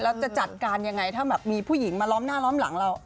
แล้วจะจัดการยังไงถ้าแบบมีผู้หญิงมาล้อมหน้าล้อมหลังเรา